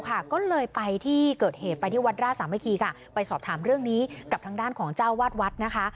ก็เลยไปที่เกิดเหตุไปที่วัดราชสามัคคีค่ะไปสอบถามเรื่องนี้กับทางด้านของเจ้าวาดวัดนะคะ